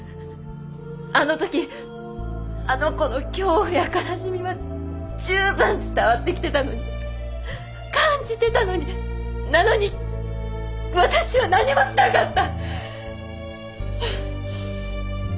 あの時あの子の恐怖や悲しみは十分伝わってきてたのに感じてたのになのに私は何もしなかった。